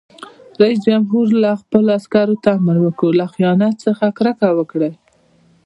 رئیس جمهور خپلو عسکرو ته امر وکړ؛ له خیانت څخه کرکه وکړئ!